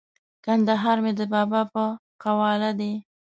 کندهار مې د بابا په قواله دی!